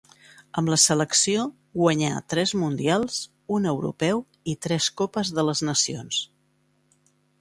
Amb la selecció guanyà tres Mundials, un Europeu i tres copes de les Nacions.